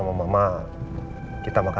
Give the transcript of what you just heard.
des organize administrasinya